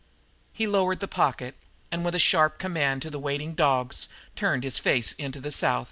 He lowered the pocket, and with a sharp command to the waiting dogs turned his face into the South.